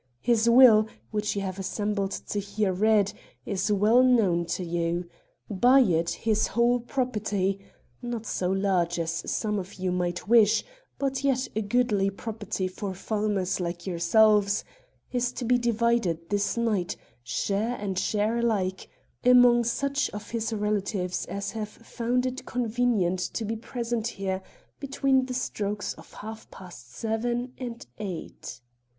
His will, which you have assembled to hear read, is well known to you. By it his whole property (not so large as some of you might wish, but yet a goodly property for farmers like yourselves) is to be divided this night, share and share alike, among such of his relatives as have found it convenient to be present here between the strokes of half past seven and eight.